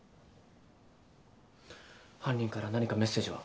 犯人から何かメッセージは？